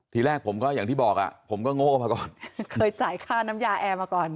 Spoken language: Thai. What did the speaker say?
ทีแรกผมก็อย่างที่บอกอ่ะผมก็โง่มาก่อนเคยจ่ายค่าน้ำยาแอร์มาก่อน